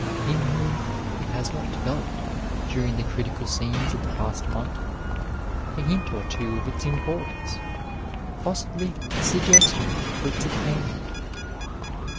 8 Digitized by Google AEQUANIMITAS whom it has not developed during the critical scenes of the past month, a hint or two of its importance, possibly a suggestion for its attainment.